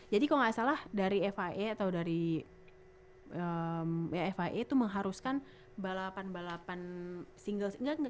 jadi kalau gak salah dari fia atau dari ya fia tuh mengharuskan balapan balapan single